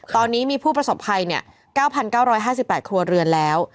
ตอนนี้มีผู้ประสบภัยเนี้ยเก้าพันเก้าร้อยห้าสิบแปดครัวเรือนแล้ว